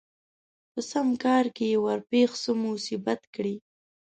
په سم کار کې يې ورپېښ څه مصيبت کړي